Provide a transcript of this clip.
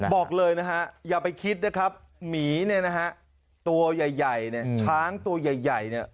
บอกเลยนะฮะอย่าไปคิดนะครับหมีตัังใหญ่ช้างตัวใหญ่